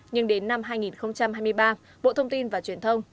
nhưng đến năm hai nghìn hai mươi ba bộ thông tin và truyền thông